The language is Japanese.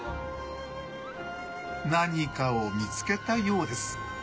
何かを見つけたようです。